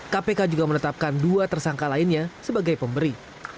kpk juga menetapkan dua tersangka lainnya sebagai pemberi